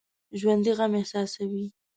ژوندي غم احساسوي